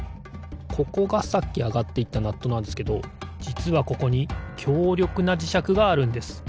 ここがさっきあがっていったナットなんですけどじつはここにきょうりょくなじしゃくがあるんです。